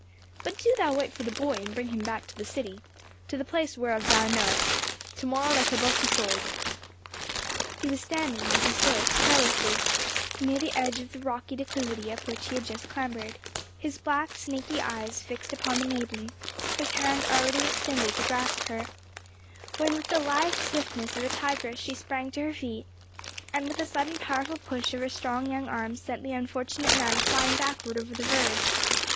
But do thou wait for the boy and bring him to the city, to the place whereof thou knowest. To morrow they shall both be sold." He was standing as he spoke perilously near the edge of the rocky declivity up which he had just clambered, his black snaky eyes fixed upon the maiden, his hand already extended to grasp her, when with the lithe swiftness of a tigress she sprang to her feet, and with a sudden powerful push of her strong young arms sent the unfortunate man flying backward over the verge.